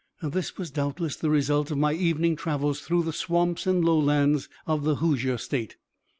This was doubtless the result of my evening travels through the swamps and lowlands of the Hoosier State.